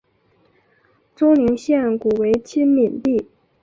周宁县古为七闽地。